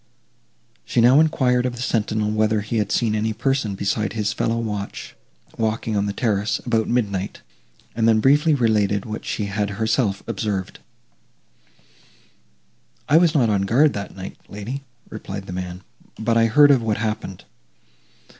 She now enquired of the sentinel, whether he had seen any person besides his fellow watch, walking on the terrace, about midnight; and then briefly related what she had herself observed. "I was not on guard that night, lady," replied the man, "but I heard of what happened.